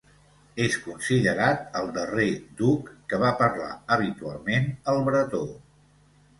És considerat el darrer duc que va parlar habitualment el bretó.